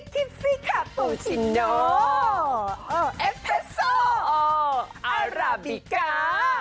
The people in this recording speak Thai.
คิดสิค่ะปูชิโนเอฟเฟสโซอาราบิกา